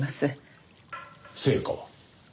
成果は？